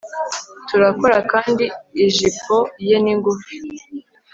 turakora kandi ijipo ye ni ngufi